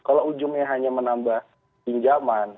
kalau ujungnya hanya menambah pinjaman